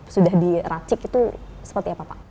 sudah diracik itu seperti apa pak